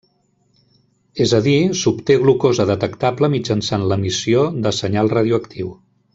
És a dir, s'obté glucosa detectable mitjançant l'emissió de senyal radioactiu.